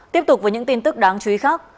tiếp tục với những tin tức đáng chú ý khác